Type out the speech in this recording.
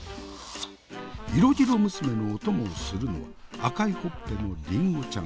色白娘のお供をするのは赤いほっぺのりんごちゃん。